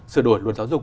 sửa đổi luật giáo dục